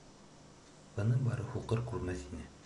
Быны бары һуҡыр күрмәҫ ине.